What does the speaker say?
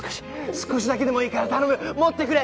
少しだけでもいいから頼む持ってくれ！